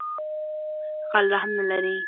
غل رحم نه لری